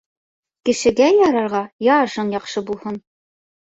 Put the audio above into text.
Кешегә ярарға йә ашың яҡшы булһын